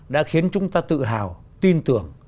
đã khiến chúng ta tự hào tin tưởng